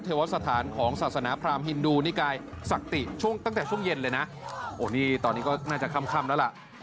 เทวสถานของศาสนาพรามฮินดูนี่กายศักดิ์ติช่วงตั้งแต่ช่วงเย็นเลยนะโอ้นี่ตอนนี้ก็น่าจะค่ำแล้วล่ะ